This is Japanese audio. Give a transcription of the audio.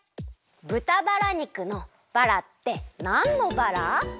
ぶたバラ肉のバラってなんのバラ？